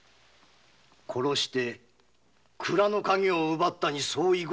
殺して蔵のカギを奪ったに相違ないと。